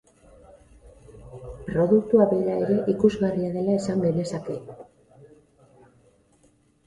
Produktua bera ere ikusgarria dela esan genezake.